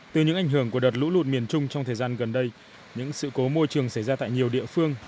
từ những ảnh hưởng của đợt lũ lụt miền trung trong thời gian gần đây những sự cố môi trường xảy ra tại nhiều địa phương